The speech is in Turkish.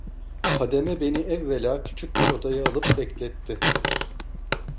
Hademe beni evvela küçük bir odaya alıp bekletti.